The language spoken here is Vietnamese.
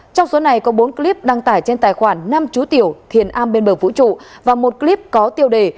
trong số này có bốn clip đăng tải trên tài khoản nam chú tiểu thiền a bên bờ vũ trụ và một clip có tiêu đề